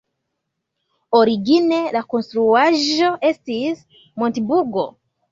Origine la konstruaĵo estis montburgo.